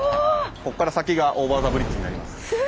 こっから先がオーバー・ザ・ブリッジになります。